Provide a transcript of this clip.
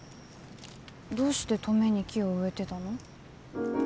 どうして登米に木を植えてたの？